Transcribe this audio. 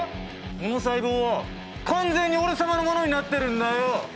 この細胞は完全に俺様のものになってるんだよ！